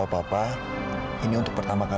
sih bahwa aku tak berguna dengan kamu